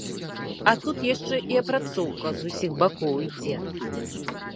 А тут яшчэ і апрацоўка з усіх бакоў ідзе.